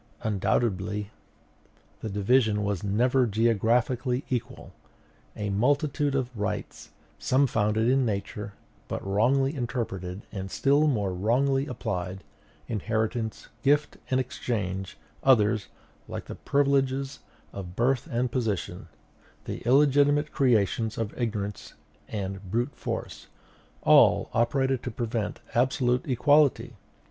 Undoubtedly the division was never geographically equal; a multitude of rights, some founded in Nature, but wrongly interpreted and still more wrongly applied, inheritance, gift, and exchange; others, like the privileges of birth and position, the illegitimate creations of ignorance and brute force, all operated to prevent absolute equality.